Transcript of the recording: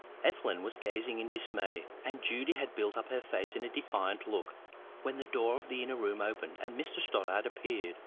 Ethelwyn was gazing in dismay, and Judy had built up her face into a defiant look, when the door of the inner room opened and Mr Stoddart appeared.